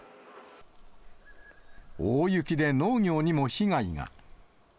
大雪で農業にも被害が。